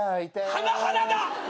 花＊花だ。